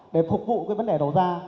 để phục vụ vấn đề đầu ra